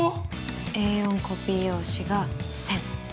Ａ４コピー用紙が１，０００。